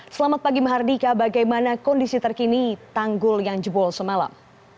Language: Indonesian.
selamat pagi mahardika bagaimana kondisi terkini tanggul yang jebol semalam